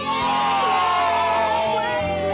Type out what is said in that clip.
satu untuk semua